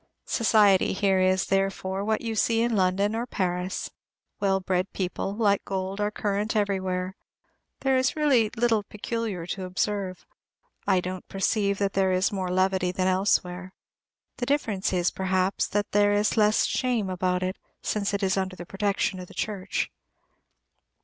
Society here is, therefore, what you see it in London or Paris; well bred people, like Gold, are current everywhere. There is really little peculiar to observe. I don't perceive that there is more levity than elsewhere. The difference is, perhaps, that there is less shame about it, since it is under the protection of the Church.